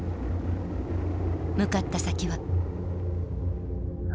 向かった先は。